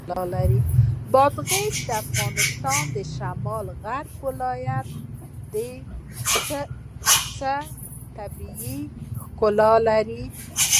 بادغیس د افغانستان د شمال غرب ولایت دی چې د طبیعت ښکلا لري.